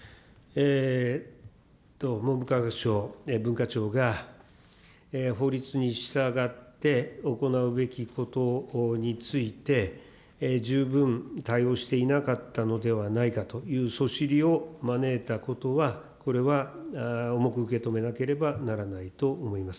文部科学省、文化庁が法律に従って行うべきことについて、十分、対応していなかったのではないかというそしりを招いたことは、これは重く受け止めなければならないと思います。